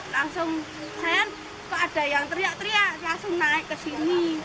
langsung saya kok ada yang teriak teriak langsung naik ke sini